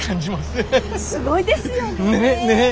すごいですよねぇ。